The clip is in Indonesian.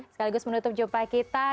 sekaligus menutup jumpa kita